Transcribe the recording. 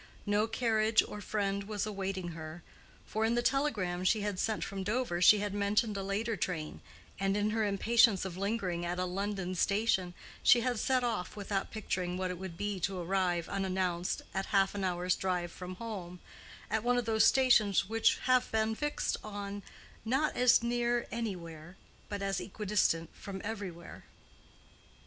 No carriage or friend was awaiting her, for in the telegram she had sent from Dover she had mentioned a later train, and in her impatience of lingering at a London station she had set off without picturing what it would be to arrive unannounced at half an hour's drive from home—at one of those stations which have been fixed on not as near anywhere, but as equidistant from everywhere.